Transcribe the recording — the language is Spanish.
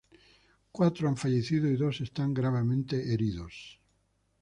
Cuatro han fallecido y dos están gravemente heridos.